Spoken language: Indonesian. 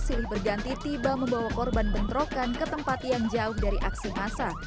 silih berganti tiba membawa korban bentrokan ke tempat yang jauh dari aksi masa